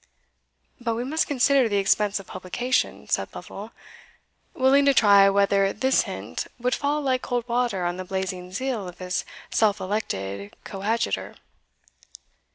"But we must consider the expense of publication," said Lovel, willing to try whether this hint would fall like cold water on the blazing zeal of his self elected coadjutor.